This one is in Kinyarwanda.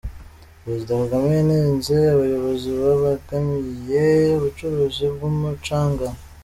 Perezida Kagame yanenze abayobozi babangamiye ubucuruzi bw’umucanga.